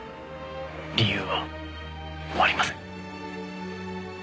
理由はありません。